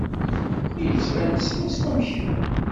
Yettban-d swaswa am kemm.